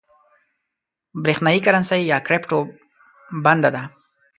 برېښنايي کرنسۍ یا کريپټو بنده ده